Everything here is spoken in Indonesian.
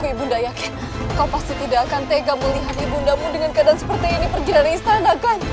ibu ndaku yakin kau pasti tidak akan tega melihat ibu ndaku dengan keadaan seperti ini pergi dari istana kan